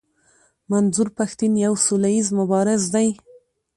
منظور پښتين يو سوله ايز مبارز دی.